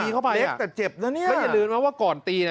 เข้าไปเล็กแต่เจ็บนะเนี่ยแล้วอย่าลืมนะว่าก่อนตีน่ะ